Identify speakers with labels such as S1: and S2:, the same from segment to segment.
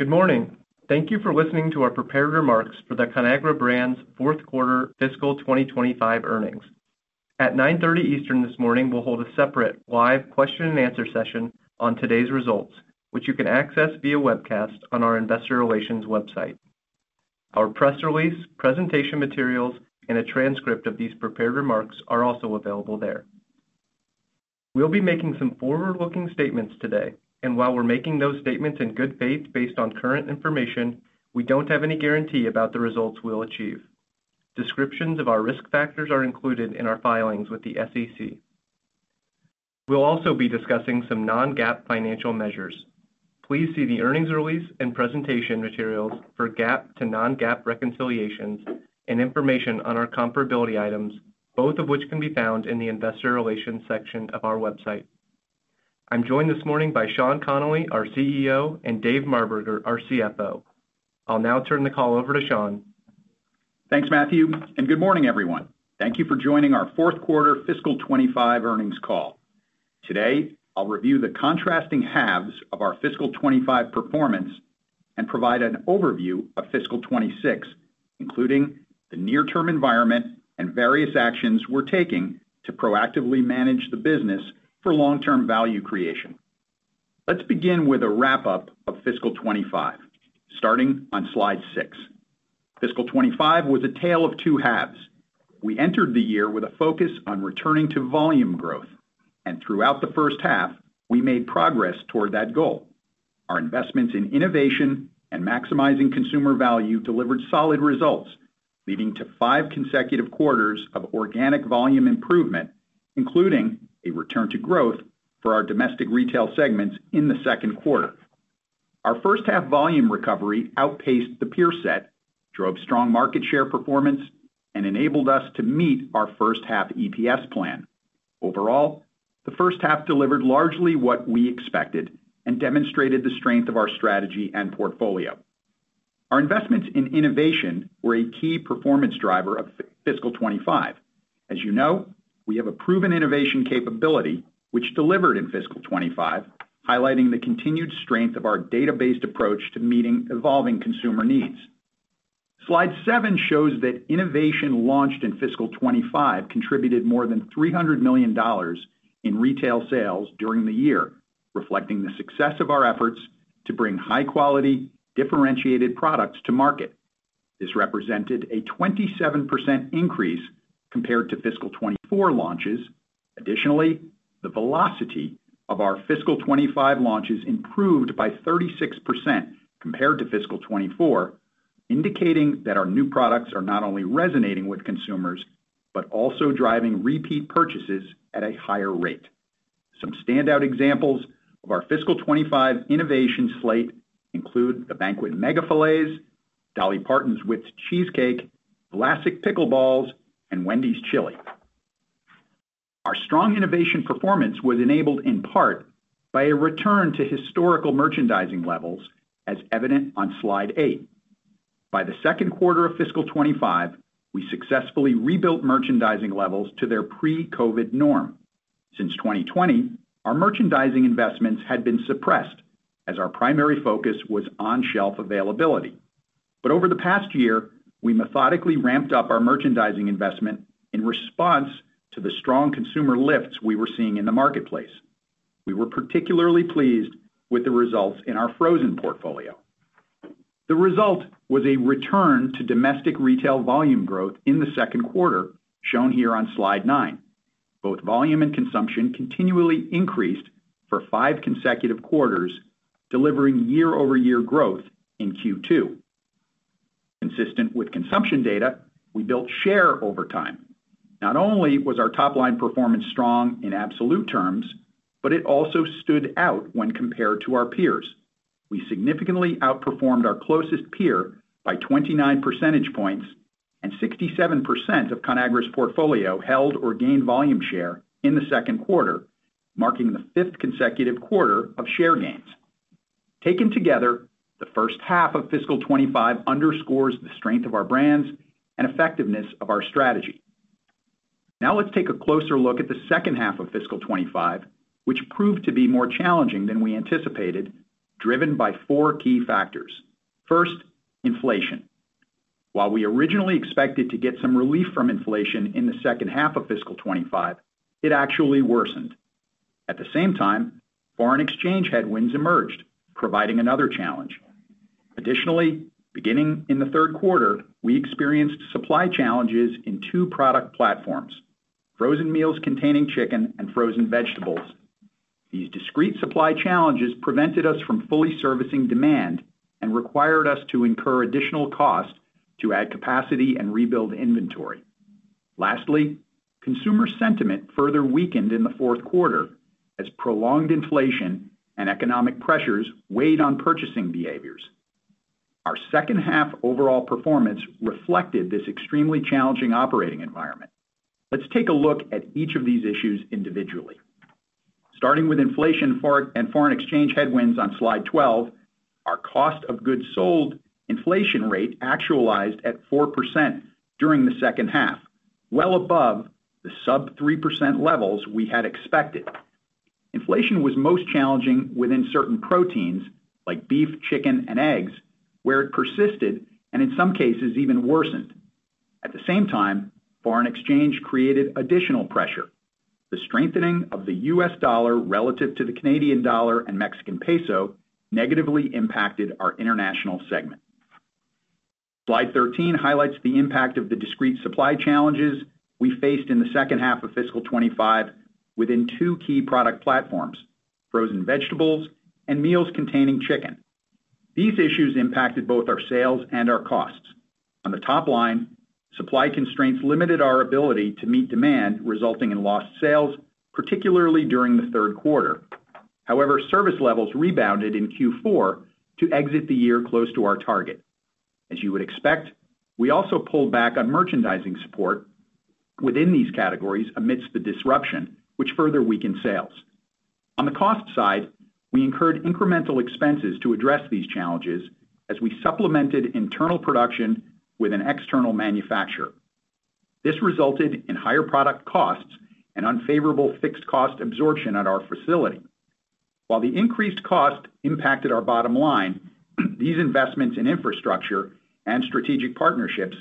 S1: Good morning. Thank you for listening to our prepared remarks for the Conagra Brands Q4 Fiscal 2025 earnings. At 9:30 A.M. Eastern this morning, we'll hold a separate live question and answer session on today's results, which you can access via webcast on our Investor Relations website. Our press release, presentation materials, and a transcript of these prepared remarks are also available there. We'll be making some forward-looking statements today, and while we're making those statements in good faith based on current information, we don't have any guarantee about the results we'll achieve. Descriptions of our risk factors are included in our filings with the SEC. We'll also be discussing some non-GAAP financial measures. Please see the earnings release and presentation materials for GAAP to non-GAAP reconciliations and information on our comparability items, both of which can be found in the Investor Relations section of our website. I'm joined this morning by Sean Connolly, our CEO, and Dave Marberger, our CFO. I'll now turn the call over to Sean.
S2: Thanks, Matthew, and good morning, everyone. Thank you for joining our Q4 Fiscal 2025 earnings call. Today, I'll review the contrasting halves of our fiscal 2025 performance and provide an overview of fiscal 2026, including the near-term environment and various actions we're taking to proactively manage the business for long-term value creation. Let's begin with a wrap-up of fiscal 2025, starting on slide six. Fiscal 2025 was a tale of two halves. We entered the year with a focus on returning to volume growth, and throughout the first half, we made progress toward that goal. Our investments in innovation and maximizing consumer value delivered solid results, leading to five consecutive quarters of organic volume improvement, including a return to growth for our domestic retail segments in the second quarter. Our first half volume recovery outpaced the peer set, drove strong market share performance, and enabled us to meet our first half EPS plan. Overall, the first half delivered largely what we expected and demonstrated the strength of our strategy and portfolio. Our investments in innovation were a key performance driver of fiscal 2025. As you know, we have a proven innovation capability which delivered in fiscal 2025, highlighting the continued strength of our data-based approach to meeting evolving consumer needs. Slide seven shows that innovation launched in fiscal 2025 contributed more than $300 million in retail sales during the year, reflecting the success of our efforts to bring high-quality, differentiated products to market. This represented a 27% increase compared to fiscal 2024 launches. Additionally, the velocity of our fiscal 2025 launches improved by 36% compared to fiscal 2024, indicating that our new products are not only resonating with consumers but also driving repeat purchases at a higher rate. Some standout examples of our fiscal 2025 innovation slate include the Banquet Mega Filets, Dolly Parton's Whipped Cheesecake, Classic Pickleballs, and Wendy's Chili. Our strong innovation performance was enabled in part by a return to historical merchandising levels, as evident on slide eight. By the second quarter of fiscal 2025, we successfully rebuilt merchandising levels to their pre-COVID norm. Since 2020, our merchandising investments had been suppressed as our primary focus was on-shelf availability. Over the past year, we methodically ramped up our merchandising investment in response to the strong consumer lifts we were seeing in the marketplace. We were particularly pleased with the results in our frozen portfolio. The result was a return to domestic retail volume growth in the second quarter, shown here on slide nine. Both volume and consumption continually increased for five consecutive quarters, delivering year-over-year growth in Q2. Consistent with consumption data, we built share over time. Not only was our top-line performance strong in absolute terms, but it also stood out when compared to our peers. We significantly outperformed our closest peer by 29 percentage points, and 67% of Conagra's portfolio held or gained volume share in the second quarter, marking the fifth consecutive quarter of share gains. Taken together, the first half of fiscal 2025 underscores the strength of our brands and effectiveness of our strategy. Now let's take a closer look at the second half of fiscal 2025, which proved to be more challenging than we anticipated, driven by four key factors. First, inflation. While we originally expected to get some relief from inflation in the second half of fiscal 2025, it actually worsened. At the same time, foreign exchange headwinds emerged, providing another challenge. Additionally, beginning in the third quarter, we experienced supply challenges in two product platforms: frozen meals containing chicken and frozen vegetables. These discrete supply challenges prevented us from fully servicing demand and required us to incur additional cost to add capacity and rebuild inventory. Lastly, consumer sentiment further weakened in the fourth quarter as prolonged inflation and economic pressures weighed on purchasing behaviors. Our second half overall performance reflected this extremely challenging operating environment. Let's take a look at each of these issues individually. Starting with inflation and foreign exchange headwinds on slide 12, our cost of goods sold inflation rate actualized at 4% during the second half, well above the sub-3% levels we had expected. Inflation was most challenging within certain proteins like beef, chicken, and eggs, where it persisted and in some cases even worsened. At the same time, foreign exchange created additional pressure. The strengthening of the U.S. dollar relative to the Canadian dollar and Mexican peso negatively impacted our international segment. Slide 13 highlights the impact of the discrete supply challenges we faced in the second half of fiscal 2025 within two key product platforms: frozen vegetables and meals containing chicken. These issues impacted both our sales and our costs. On the top line, supply constraints limited our ability to meet demand, resulting in lost sales, particularly during the third quarter. However, service levels rebounded in Q4 to exit the year close to our target. As you would expect, we also pulled back on merchandising support within these categories amidst the disruption, which further weakened sales. On the cost side, we incurred incremental expenses to address these challenges as we supplemented internal production with an external manufacturer. This resulted in higher product costs and unfavorable fixed cost absorption at our facility. While the increased costs impacted our bottom line, these investments in infrastructure and strategic partnerships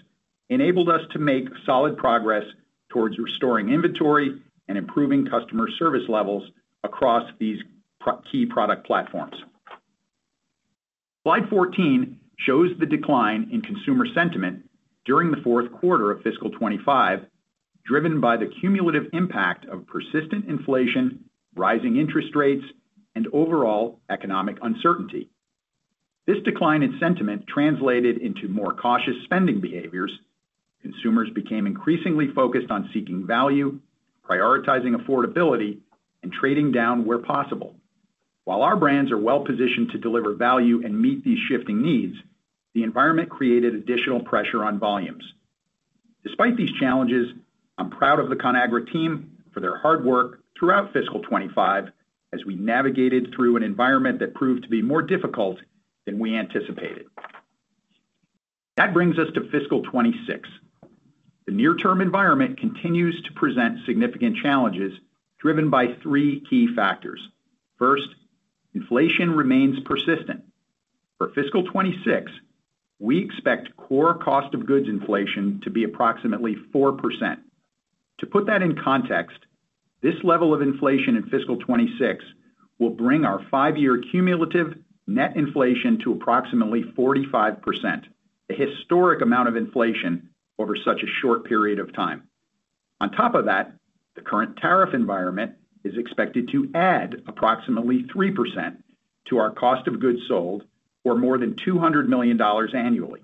S2: enabled us to make solid progress towards restoring inventory and improving customer service levels across these key product platforms. Slide 14 shows the decline in consumer sentiment during the fourth quarter of fiscal 2025, driven by the cumulative impact of persistent inflation, rising interest rates, and overall economic uncertainty. This decline in sentiment translated into more cautious spending behaviors. Consumers became increasingly focused on seeking value, prioritizing affordability, and trading down where possible. While our brands are well-positioned to deliver value and meet these shifting needs, the environment created additional pressure on volumes. Despite these challenges, I'm proud of the Conagra team for their hard work throughout fiscal 2025 as we navigated through an environment that proved to be more difficult than we anticipated. That brings us to fiscal 2026. The near-term environment continues to present significant challenges driven by three key factors. First, inflation remains persistent. For fiscal 2026, we expect core cost of goods sold inflation to be approximately 4%. To put that in context, this level of inflation in fiscal 2026 will bring our five-year cumulative net inflation to approximately 45%, a historic amount of inflation over such a short period of time. On top of that, the current tariff environment is expected to add approximately 3% to our cost of goods sold, or more than $200 million annually.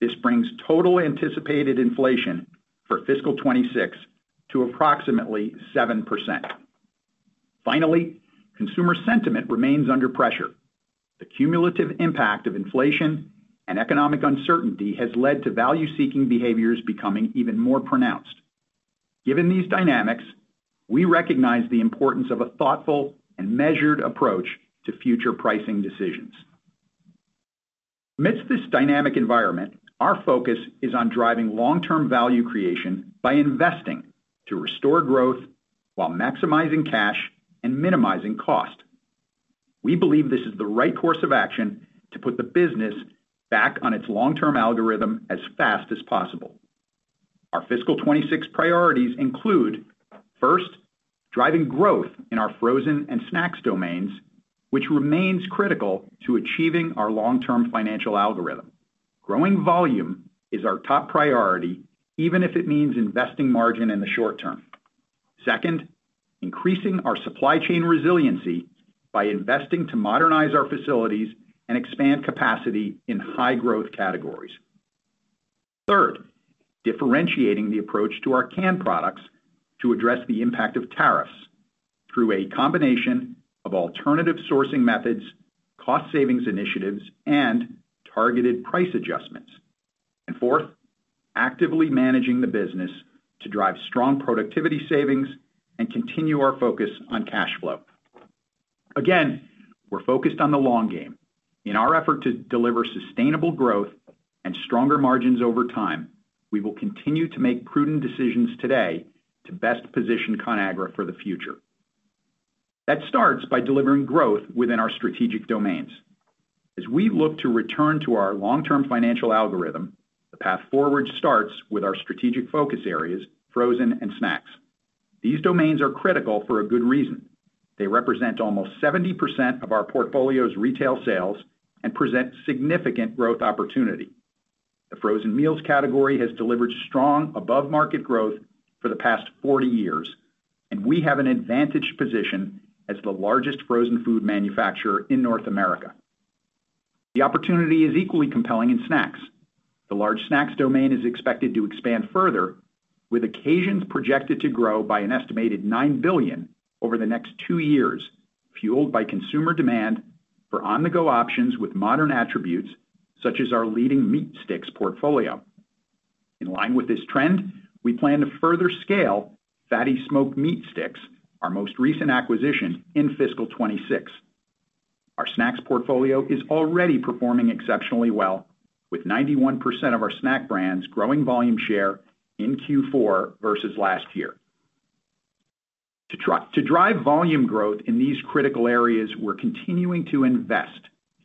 S2: This brings total anticipated inflation for fiscal 2026 to approximately 7%. Finally, consumer sentiment remains under pressure. The cumulative impact of inflation and economic uncertainty has led to value-seeking behaviors becoming even more pronounced. Given these dynamics, we recognize the importance of a thoughtful and measured approach to future pricing decisions. Amidst this dynamic environment, our focus is on driving long-term value creation by investing to restore growth while maximizing cash and minimizing cost. We believe this is the right course of action to put the business back on its long-term algorithm as fast as possible. Our fiscal 2026 priorities include: first, driving growth in our frozen and snacks domains, which remains critical to achieving our long-term financial algorithm. Growing volume is our top priority, even if it means investing margin in the short term. Second, increasing our supply chain resiliency by investing to modernize our facilities and expand capacity in high-growth categories. Third, differentiating the approach to our canned products to address the impact of tariffs through a combination of alternative sourcing methods, cost-savings initiatives, and targeted price adjustments. Fourth, actively managing the business to drive strong productivity savings and continue our focus on cash flow. Again, we're focused on the long game. In our effort to deliver sustainable growth and stronger margins over time, we will continue to make prudent decisions today to best position Conagra for the future. That starts by delivering growth within our strategic domains. As we look to return to our long-term financial algorithm, the path forward starts with our strategic focus areas: frozen and snacks. These domains are critical for a good reason. They represent almost 70% of our portfolio's retail sales and present significant growth opportunity. The frozen meals category has delivered strong above-market growth for the past 40 years, and we have an advantageous position as the largest frozen food manufacturer in North America. The opportunity is equally compelling in snacks. The large snacks domain is expected to expand further, with occasions projected to grow by an estimated $9 billion over the next two years, fueled by consumer demand for on-the-go options with modern attributes, such as our leading meat sticks portfolio. In line with this trend, we plan to further scale FATTY Smoked Meat Sticks, our most recent acquisition in fiscal 2026. Our snacks portfolio is already performing exceptionally well, with 91% of our snack brands growing volume share in Q4 versus last year. To drive volume growth in these critical areas, we're continuing to invest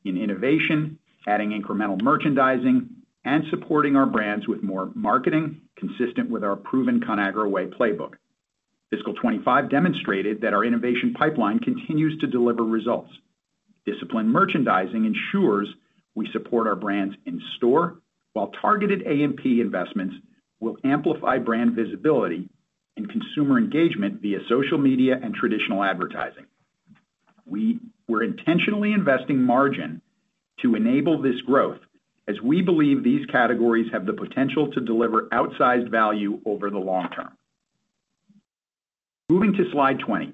S2: in innovation, adding incremental merchandising, and supporting our brands with more marketing, consistent with our proven Conagra Way playbook. Fiscal 2025 demonstrated that our innovation pipeline continues to deliver results. Disciplined merchandising ensures we support our brands in store, while targeted AMP investments will amplify brand visibility and consumer engagement via social media and traditional advertising. We're intentionally investing margin to enable this growth, as we believe these categories have the potential to deliver outsized value over the long term. Moving to slide 20,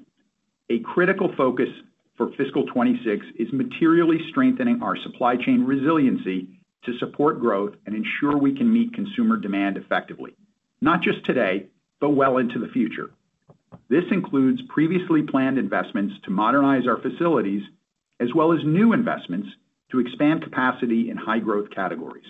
S2: a critical focus for fiscal 2026 is materially strengthening our supply chain resiliency to support growth and ensure we can meet consumer demand effectively, not just today but well into the future. This includes previously planned investments to modernize our facilities, as well as new investments to expand capacity in high-growth categories.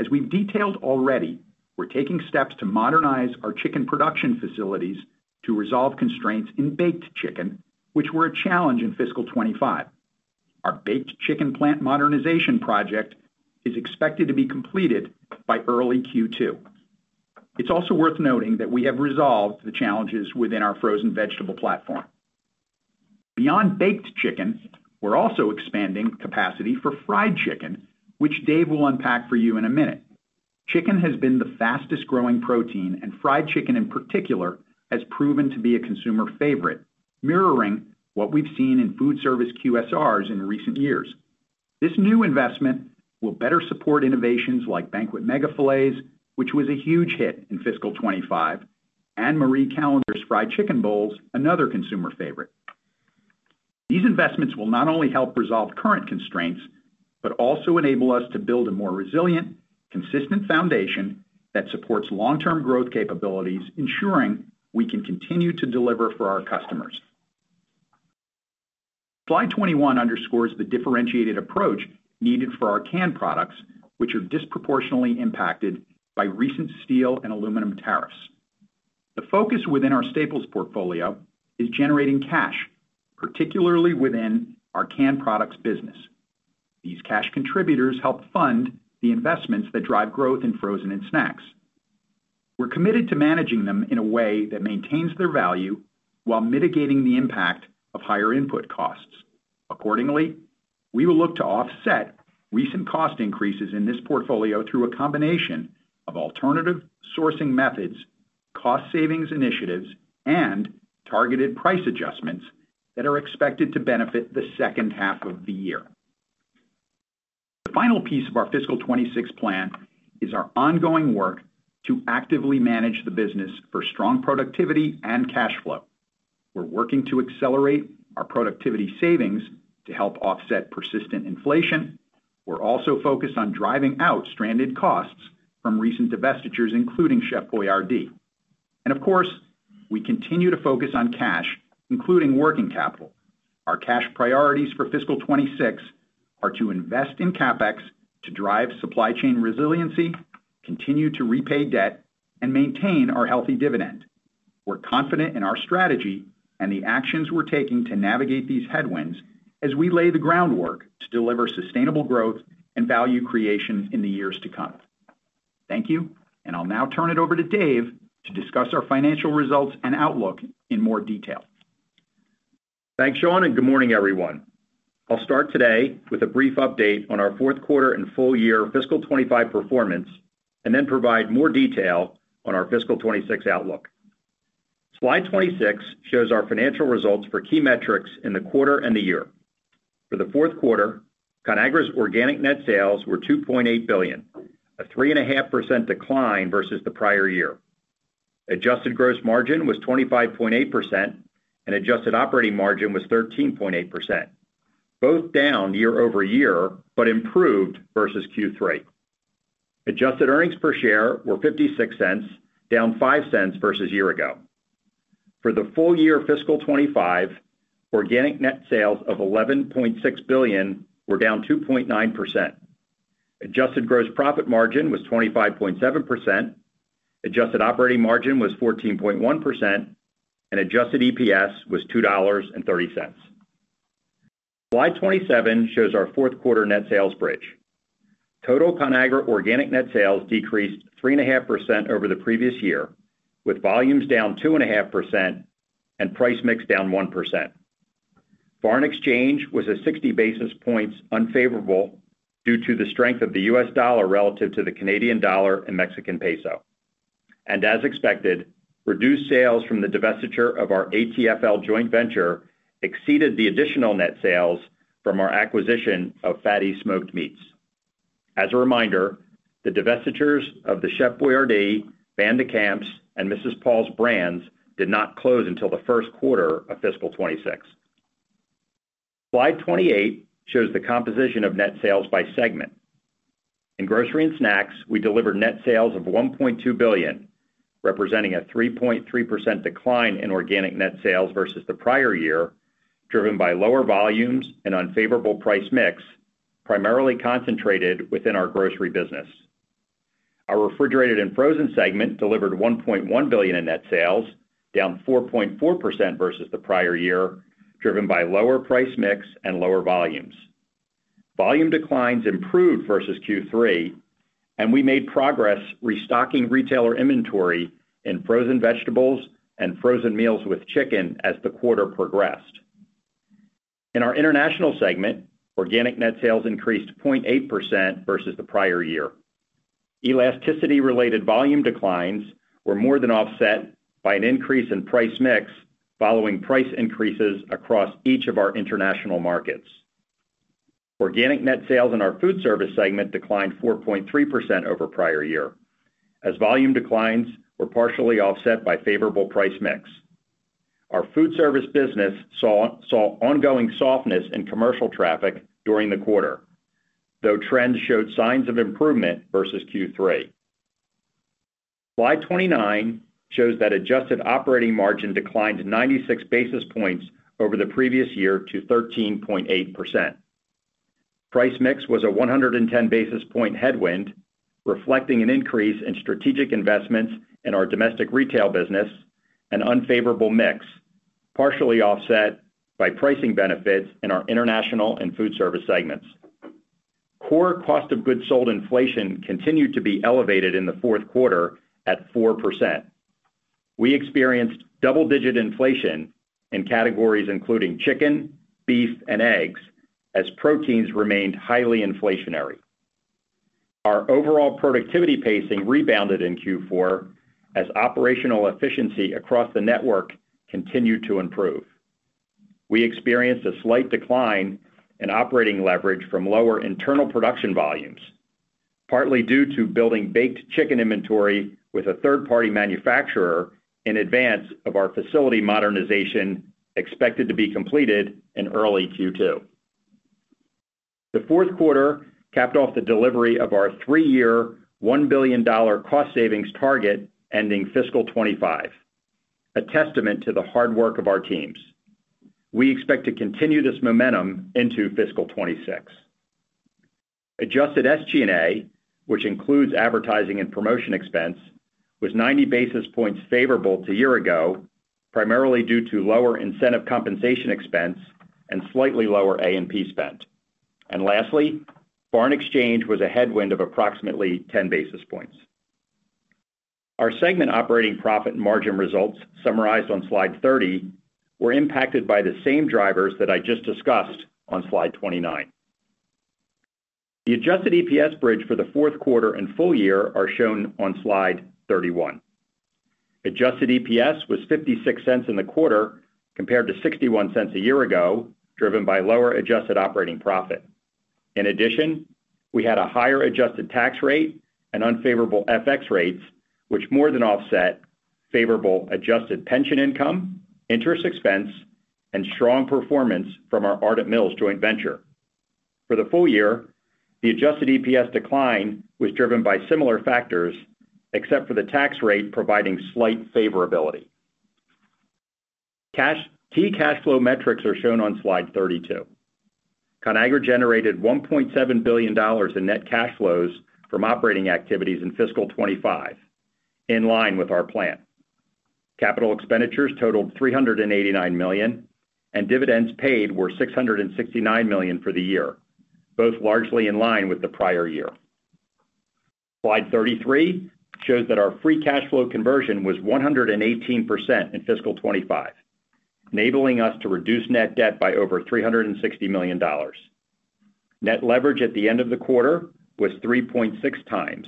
S2: As we've detailed already, we're taking steps to modernize our chicken production facilities to resolve constraints in baked chicken, which were a challenge in fiscal 2025. Our baked chicken plant modernization project is expected to be completed by early Q2. It's also worth noting that we have resolved the challenges within our frozen vegetable platform. Beyond baked chicken, we're also expanding capacity for fried chicken, which Dave will unpack for you in a minute. Chicken has been the fastest-growing protein, and fried chicken in particular has proven to be a consumer favorite, mirroring what we've seen in food service QSRs in recent years. This new investment will better support innovations like Banquet Mega Filets, which was a huge hit in fiscal 2025, and Marie Callender's fried chicken bowls, another consumer favorite. These investments will not only help resolve current constraints but also enable us to build a more resilient, consistent foundation that supports long-term growth capabilities, ensuring we can continue to deliver for our customers. Slide 21 underscores the differentiated approach needed for our canned products, which are disproportionately impacted by recent steel and aluminum tariffs. The focus within our staples portfolio is generating cash, particularly within our canned products business. These cash contributors help fund the investments that drive growth in frozen and snacks. We're committed to managing them in a way that maintains their value while mitigating the impact of higher input costs. Accordingly, we will look to offset recent cost increases in this portfolio through a combination of alternative sourcing methods, cost-savings initiatives, and targeted price adjustments that are expected to benefit the second half of the year. The final piece of our fiscal 2026 plan is our ongoing work to actively manage the business for strong productivity and cash flow. We're working to accelerate our productivity savings to help offset persistent inflation. We're also focused on driving out stranded costs from recent divestitures, including Chef Boyardee. Of course, we continue to focus on cash, including working capital. Our cash priorities for fiscal 2026 are to invest in CapEx to drive supply chain resiliency, continue to repay debt, and maintain our healthy dividend. We're confident in our strategy and the actions we're taking to navigate these headwinds as we lay the groundwork to deliver sustainable growth and value creation in the years to come. Thank you, and I'll now turn it over to Dave to discuss our financial results and outlook in more detail.
S3: Thanks, Sean, and good morning, everyone. I'll start today with a brief update on our fourth quarter and full-year fiscal 2025 performance and then provide more detail on our fiscal 2026 outlook. Slide 26 shows our financial results for key metrics in the quarter and the year. For the fourth quarter, Conagra's organic net sales were $2.8 billion, a 3.5% decline versus the prior year. Adjusted gross margin was 25.8%, and adjusted operating margin was 13.8%, both down year over year but improved versus Q3. Adjusted earnings per share were $0.56, down $0.05 versus a year ago. For the full-year fiscal 2025, organic net sales of $11.6 billion were down 2.9%. Adjusted gross profit margin was 25.7%, adjusted operating margin was 14.1%, and adjusted EPS was $2.30. Slide 27 shows our fourth quarter net sales bridge. Total Conagra organic net sales decreased 3.5% over the previous year, with volumes down 2.5% and price mix down 1%. Foreign exchange was a 60 basis points unfavorable due to the strength of the U.S. dollar relative to the Canadian dollar and Mexican peso. As expected, reduced sales from the divestiture of our ATFL joint venture exceeded the additional net sales from our acquisition of FATTY Smoked Meat. As a reminder, the divestitures of the Chef Boyardee, Band de Camps, and Mrs. Paul's brands did not close until the first quarter of fiscal 2026. Slide 28 shows the composition of net sales by segment. In grocery and snacks, we delivered net sales of $1.2 billion, representing a 3.3% decline in organic net sales versus the prior year, driven by lower volumes and unfavorable price mix, primarily concentrated within our grocery business. Our refrigerated and frozen segment delivered $1.1 billion in net sales, down 4.4% versus the prior year, driven by lower price mix and lower volumes. Volume declines improved versus Q3, and we made progress restocking retailer inventory in frozen vegetables and frozen meals containing chicken as the quarter progressed. In our international segment, organic net sales increased 0.8% versus the prior year. Elasticity-related volume declines were more than offset by an increase in price mix following price increases across each of our international markets. Organic net sales in our food service segment declined 4.3% over prior year, as volume declines were partially offset by favorable price mix. Our food service business saw ongoing softness in commercial traffic during the quarter, though trends showed signs of improvement versus Q3. Slide 29 shows that adjusted operating margin declined 96 basis points over the previous year to 13.8%. Price mix was a 110 basis point headwind, reflecting an increase in strategic investments in our domestic retail business, an unfavorable mix partially offset by pricing benefits in our international and food service segments. Core cost of goods sold inflation continued to be elevated in the fourth quarter at 4%. We experienced double-digit inflation in categories including chicken, beef, and eggs, as proteins remained highly inflationary. Our overall productivity pacing rebounded in Q4 as operational efficiency across the network continued to improve. We experienced a slight decline in operating leverage from lower internal production volumes, partly due to building baked chicken inventory with a third-party manufacturer in advance of our facility modernization expected to be completed in early Q2. The fourth quarter capped off the delivery of our three-year $1 billion cost savings target ending fiscal 2025, a testament to the hard work of our teams. We expect to continue this momentum into fiscal 2026. Adjusted SG&A, which includes advertising and promotion expense, was 90 basis points favorable to a year ago, primarily due to lower incentive compensation expense and slightly lower AMP spend. Lastly, foreign exchange was a headwind of approximately 10 basis points. Our segment operating profit and margin results summarized on slide 30 were impacted by the same drivers that I just discussed on slide 29. The adjusted EPS bridge for the fourth quarter and full year are shown on slide 31. Adjusted EPS was $0.56 in the quarter compared to $0.61 a year ago, driven by lower adjusted operating profit. In addition, we had a higher adjusted tax rate and unfavorable FX rates, which more than offset favorable adjusted pension income, interest expense, and strong performance from our Ardent Mills joint venture. For the full year, the adjusted EPS decline was driven by similar factors, except for the tax rate providing slight favorability. Key cash flow metrics are shown on slide 32. Conagra Brands generated $1.7 billion in net cash flows from operating activities in fiscal 2025, in line with our plan. Capital expenditures totaled $389 million, and dividends paid were $669 million for the year, both largely in line with the prior year. Slide 33 shows that our free cash flow conversion was 118% in fiscal 2025, enabling us to reduce net debt by over $360 million. Net leverage at the end of the quarter was 3.6 times,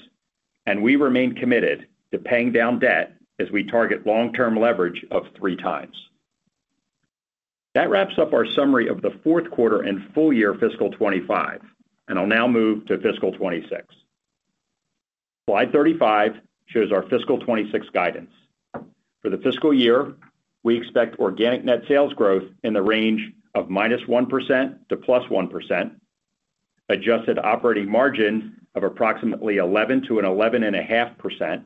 S3: and we remained committed to paying down debt as we target long-term leverage of three times. That wraps up our summary of the fourth quarter and full year fiscal 2025, and I'll now move to fiscal 2026. Slide 35 shows our fiscal 2026 guidance. For the fiscal year, we expect organic net sales growth in the range of -1% to +1%, adjusted operating margin of approximately 11%-11.5%,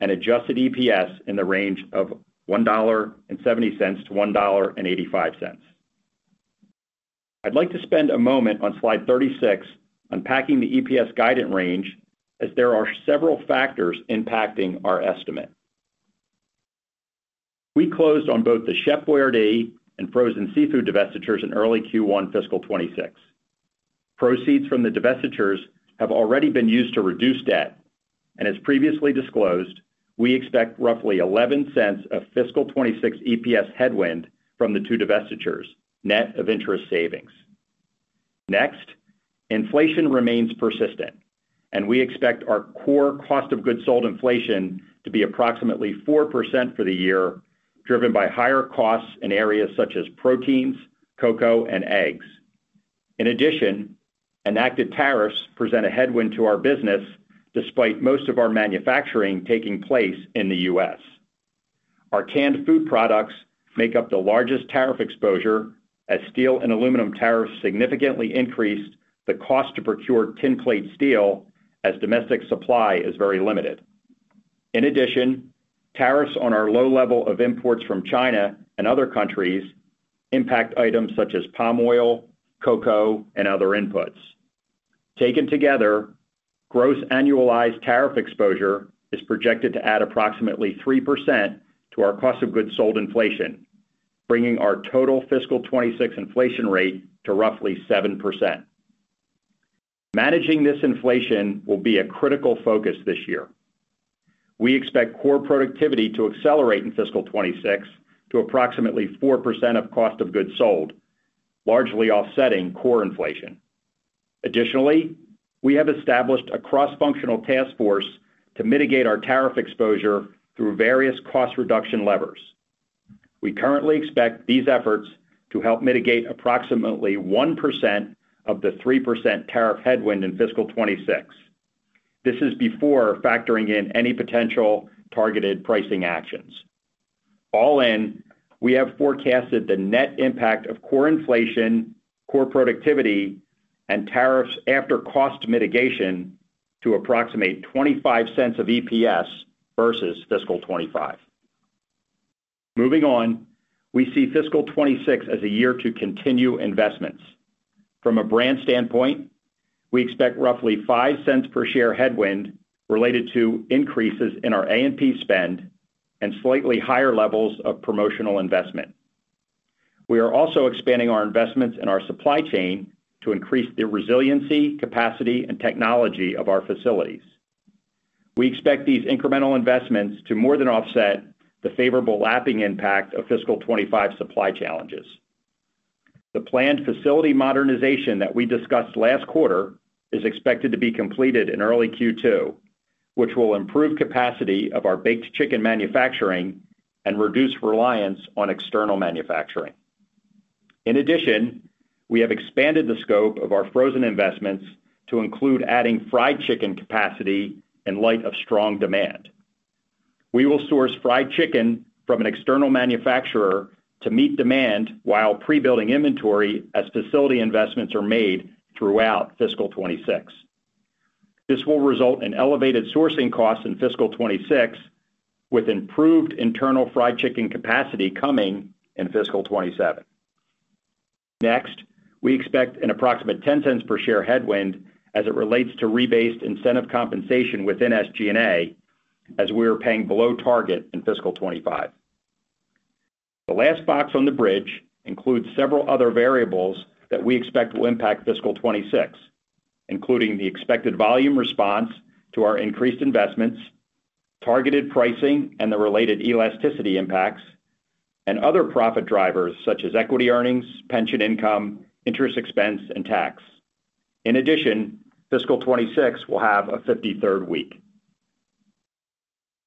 S3: and adjusted EPS in the range of $1.70-$1.85. I'd like to spend a moment on slide 36 unpacking the EPS guidance range, as there are several factors impacting our estimate. We closed on both the Chef Boyardee and frozen seafood divestitures in early Q1 fiscal 2026. Proceeds from the divestitures have already been used to reduce debt, and as previously disclosed, we expect roughly $0.11 of fiscal 2026 EPS headwind from the two divestitures net of interest savings. Next, inflation remains persistent, and we expect our core cost of goods sold inflation to be approximately 4% for the year, driven by higher costs in areas such as proteins, cocoa, and eggs. In addition, enacted tariffs present a headwind to our business, despite most of our manufacturing taking place in the U.S. Our canned food products make up the largest tariff exposure, as steel and aluminum tariffs significantly increased the cost to procure tin-plate steel, as domestic supply is very limited. In addition, tariffs on our low level of imports from China and other countries impact items such as palm oil, cocoa, and other inputs. Taken together, gross annualized tariff exposure is projected to add approximately 3% to our cost of goods sold inflation, bringing our total fiscal 2026 inflation rate to roughly 7%. Managing this inflation will be a critical focus this year. We expect core productivity to accelerate in fiscal 2026 to approximately 4% of cost of goods sold, largely offsetting core inflation. Additionally, we have established a cross-functional task force to mitigate our tariff exposure through various cost reduction levers. We currently expect these efforts to help mitigate approximately 1% of the 3% tariff headwind in fiscal 2026. This is before factoring in any potential targeted pricing actions. All in, we have forecasted the net impact of core inflation, core productivity, and tariffs after cost mitigation to approximately $0.25 of EPS versus fiscal 2025. Moving on, we see fiscal 2026 as a year to continue investments. From a brand standpoint, we expect roughly $0.05 per share headwind related to increases in our AMP spend and slightly higher levels of promotional investment. We are also expanding our investments in our supply chain to increase the resiliency, capacity, and technology of our facilities. We expect these incremental investments to more than offset the favorable lapping impact of fiscal 2025 supply challenges. The planned facility modernization that we discussed last quarter is expected to be completed in early Q2, which will improve capacity of our baked chicken manufacturing and reduce reliance on external manufacturing. In addition, we have expanded the scope of our frozen investments to include adding fried chicken capacity in light of strong demand. We will source fried chicken from an external manufacturer to meet demand while pre-building inventory as facility investments are made throughout fiscal 2026. This will result in elevated sourcing costs in fiscal 2026, with improved internal fried chicken capacity coming in fiscal 2027. Next, we expect an approximate $0.10 per share headwind as it relates to rebased incentive compensation within SG&A, as we are paying below target in fiscal 2025. The last box on the bridge includes several other variables that we expect will impact fiscal 2026, including the expected volume response to our increased investments, targeted pricing, and the related elasticity impacts, and other profit drivers such as equity earnings, pension income, interest expense, and tax. In addition, fiscal 2026 will have a 53rd week.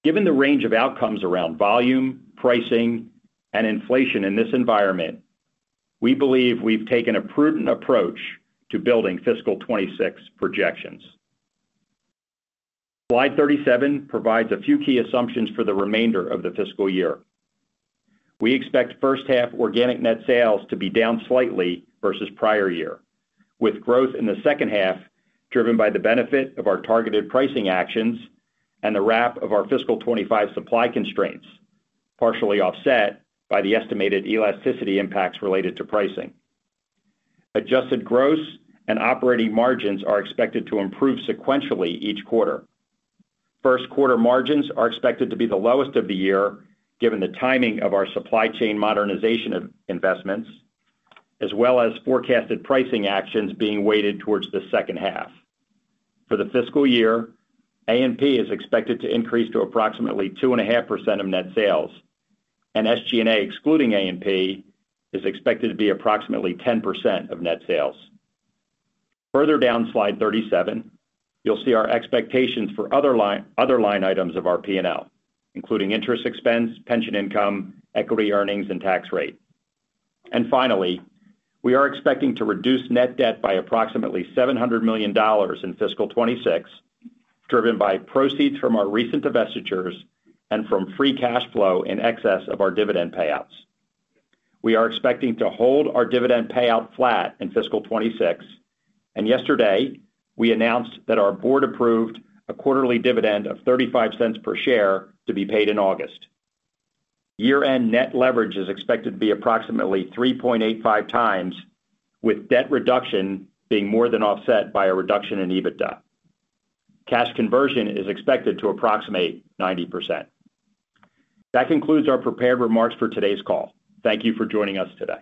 S3: Given the range of outcomes around volume, pricing, and inflation in this environment, we believe we've taken a prudent approach to building fiscal 2026 projections. Slide 37 provides a few key assumptions for the remainder of the fiscal year. We expect first half organic net sales to be down slightly versus prior year, with growth in the second half driven by the benefit of our targeted pricing actions and the wrap of our fiscal 2025 supply constraints, partially offset by the estimated elasticity impacts related to pricing. Adjusted gross and operating margins are expected to improve sequentially each quarter. First quarter margins are expected to be the lowest of the year, given the timing of our supply chain modernization investments, as well as forecasted pricing actions being weighted towards the second half. For the fiscal year, AMP is expected to increase to approximately 2.5% of net sales, and SG&A, excluding AMP, is expected to be approximately 10% of net sales. Further down slide 37, you'll see our expectations for other line items of our P&L, including interest expense, pension income, equity earnings, and tax rate. Finally, we are expecting to reduce net debt by approximately $700 million in fiscal 2026, driven by proceeds from our recent divestitures and from free cash flow in excess of our dividend payouts. We are expecting to hold our dividend payout flat in fiscal 2026, and yesterday we announced that our board approved a quarterly dividend of $0.35 per share to be paid in August. Year-end net leverage is expected to be approximately 3.85 times, with debt reduction being more than offset by a reduction in EBITDA. Cash conversion is expected to approximate 90%. That concludes our prepared remarks for today's call. Thank you for joining us today.